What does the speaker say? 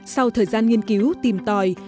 sau thời gian nghiên cứu tìm tòi